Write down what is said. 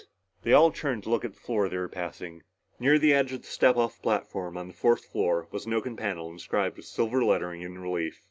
They all turned to look at the floor they were passing. Near the edge of the step off platform on the fourth floor was an oaken panel, inscribed with silver lettering in relief.